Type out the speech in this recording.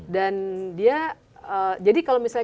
dan dia jadi kalau misalnya